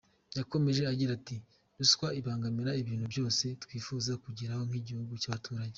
Yakomeje agira ati “Ruswa ibangamira ibintu byose twifuza kugeraho nk’igihugu n’abaturage.